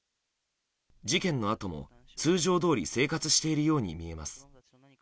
事件のあとも通常どおり生活しているように見えます。